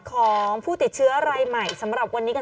กล้องกว้างอย่างเดียว